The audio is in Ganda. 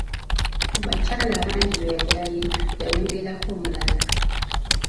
Ku bakyala abangi be yali alina, yayongerako omulala.